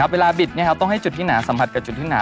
บิดต้องให้จุดที่หนาสัมผัสกับจุดที่หนา